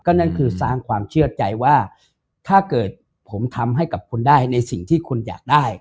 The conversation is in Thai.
นั่นคือสร้างความเชื่อใจว่าถ้าเกิดผมทำให้กับคุณได้ในสิ่งที่คุณอยากได้